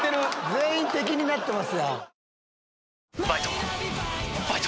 全員敵になってます。